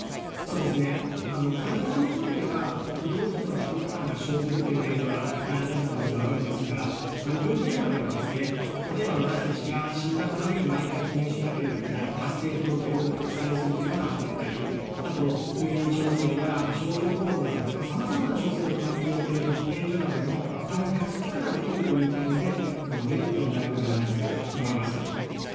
患者さんにとっては医療費の自己負担が生じるという点では負担になる可能性はあるんですが医療現場では例えば私たちが診断の度に毎回記入しなければいけない発生届を記載する手間が省けたりあと入院調整や症状フォローなどさまざまな調整を行ってくれている保健所などの負担を減らすことができるという点でメリットになるのではないかと思います。